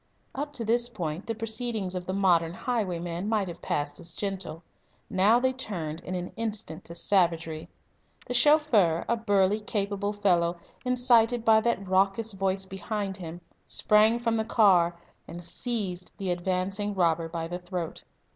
Up to this point the proceedings of the modern highwayman might have passed as gentle. Now they turned in an instant to savagery. The chauffeur, a burly, capable fellow, incited by that raucous voice behind him, sprang from the car and seized the advancing robber by the throat.